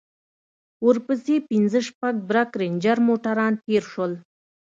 ورپسې پنځه شپږ برگ رېنجر موټران تېر سول.